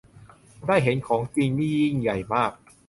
ได้เห็นของจริงนี่ยิ่งใหญ่มาก